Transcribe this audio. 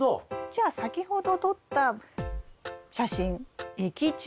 じゃあ先ほど撮った写真益虫